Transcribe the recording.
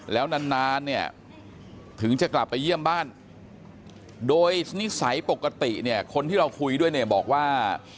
แล้วนานเนี่ยถึงจะกลับไปเยี่ยมบ้านโดยนิสัยปกติเนี่ยคนที่เราคุยด้วยเนี่ยบอกว่า